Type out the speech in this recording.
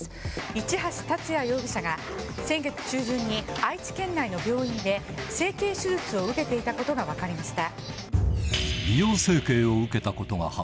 市橋達也容疑者が先月中旬に愛知県内の病院で整形手術を受けていたことが分かりました。